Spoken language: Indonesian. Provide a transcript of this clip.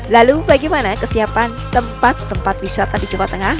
lalu bagaimana kesiapan tempat tempat wisata di jawa tengah